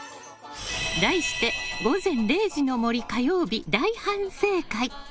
題して、「午前０時の森」火曜日大反省会！